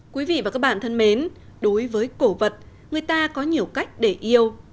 quý vị và các bạn thân mến đối với cổ vật người ta có nhiều cách để yêu